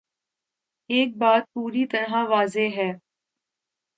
ایک بات پوری طرح واضح ہے۔